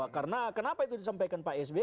karena kenapa itu disampaikan pak sby